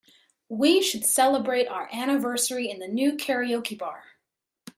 We should celebrate our anniversary in the new karaoke bar.